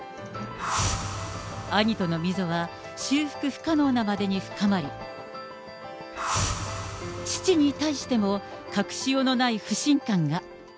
兄との溝は修復不可能なまでに深まり、父に対しても隠しようのない不信感が。